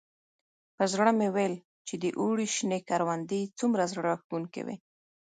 په زړه مې ویل چې د اوړي شنې کروندې څومره زړه راښکونکي وي.